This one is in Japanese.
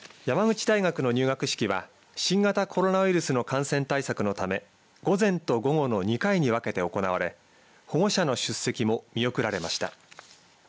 山口大学の入学式は新型コロナウイルスの感染対策のため午前と午後の２回に分けて行われ保護者の出席も見送られました。